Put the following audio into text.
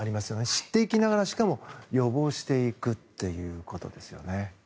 知っていきながらしかも予防していくということですよね。